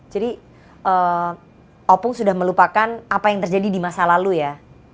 jadi opung sudah melupakan apa yang terjadi di masa lalu ya